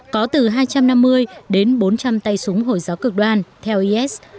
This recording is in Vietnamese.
có từ hai trăm năm mươi đến bốn trăm linh tay súng hồi giáo cực đoan theo is